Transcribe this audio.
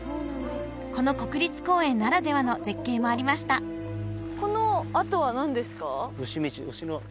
この国立公園ならではの絶景もありました牛道！？